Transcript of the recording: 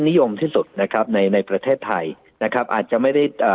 นิยมที่สุดนะครับในในประเทศไทยนะครับอาจจะไม่ได้อ่า